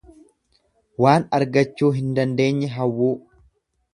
Waan argachuu hin dandeenye hawwuu.